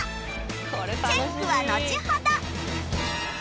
チェックはのちほど！